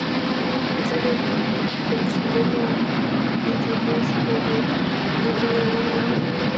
ځینې پنسلونه ایریزر لري، ځینې یې نه لري.